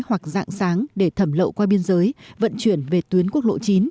hoặc dạng sáng để thẩm lậu qua biên giới vận chuyển về tuyến quốc lộ chín